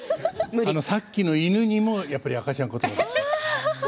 さっきの犬にも赤ちゃん言葉です。